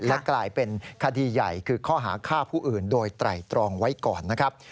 และกลายเป็นคดีใหญ่คือข้อหาฆ่าผู้อื่นโดยไตรตรองไว้ก่อนนะครับ